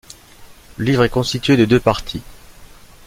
Le livre est constitué de deux parties.